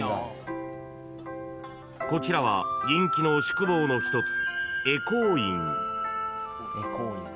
［こちらは人気の宿坊の一つ］